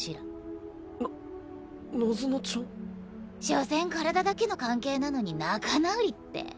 しょせん体だけの関係なのに仲直りって。